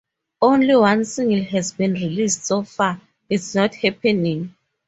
Only one single has been released so far, "It's Not Happening".